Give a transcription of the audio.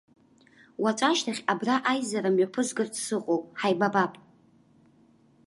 Уаҵәашьҭахь абра аизара мҩаԥызгарц сыҟоуп, ҳаибабап.